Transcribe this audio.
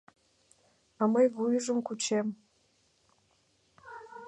А мый вуйжым кучем.